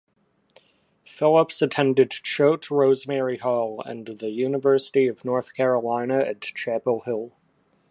Phillips attended Choate Rosemary Hall and the University of North Carolina at Chapel Hill.